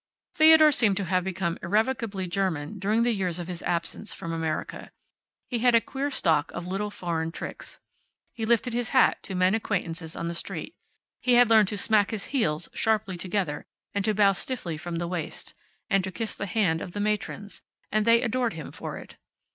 Theodore seemed to have become irrevocably German during the years of his absence from America. He had a queer stock of little foreign tricks. He lifted his hat to men acquaintances on the street. He had learned to smack his heels smartly together and to bow stiffly from the waist, and to kiss the hand of the matrons and they adored him for it.